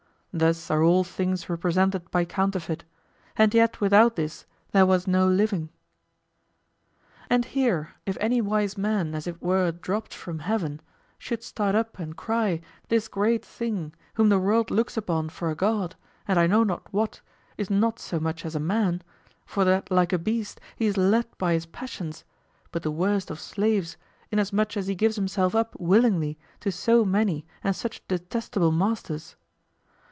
Thus are all things represented by counterfeit, and yet without this there was no living. And here if any wise man, as it were dropped from heaven, should start up and cry, this great thing whom the world looks upon for a god and I know not what is not so much as a man, for that like a beast he is led by his passions, but the worst of slaves, inasmuch as he gives himself up willingly to so many and such detestable masters.